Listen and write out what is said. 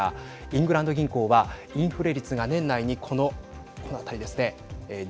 イングランド銀行はインフレ率が年内にこの値ですね。